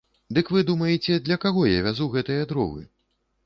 Дык вы думаеце, для каго я вязу гэтыя дровы?